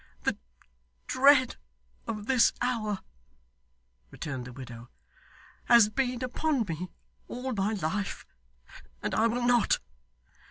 'The dread of this hour,' returned the widow, 'has been upon me all my life, and I will not.